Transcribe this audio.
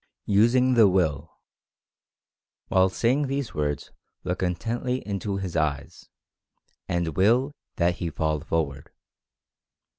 USING THE WILL. While saying these words look intently into his eyes, and WILL that he fall forward.